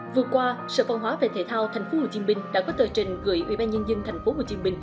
vừa qua sở văn hóa về thể thao tp hcm đã có tờ trình gửi ubnd tp hcm